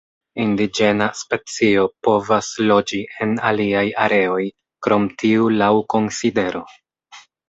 Indiĝena specio povas loĝi en aliaj areoj krom tiu laŭ konsidero.